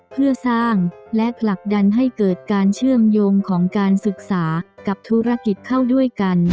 เพื่อสร้างและผลักดันให้เกิดการเชื่อมโยงของการศึกษากับธุรกิจเข้าด้วยกัน